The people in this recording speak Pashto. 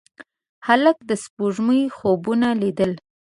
هلک د سپوږمۍ خوبونه لیدل.